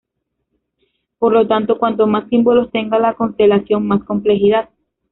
Por lo tanto, cuanto más símbolos tenga la constelación, mas complejidad.